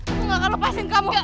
aku gak akan lepasin kamu